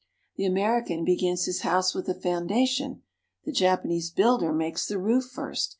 The American begins his house with the foundation. The Jap anese builder makes the roof first.